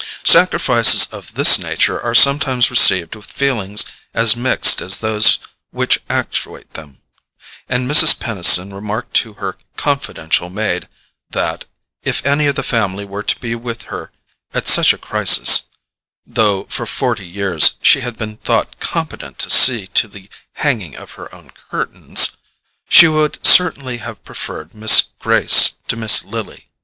Sacrifices of this nature are sometimes received with feelings as mixed as those which actuate them; and Mrs. Peniston remarked to her confidential maid that, if any of the family were to be with her at such a crisis (though for forty years she had been thought competent to see to the hanging of her own curtains), she would certainly have preferred Miss Grace to Miss Lily.